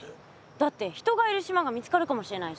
だって人がいる島が見つかるかもしれないし。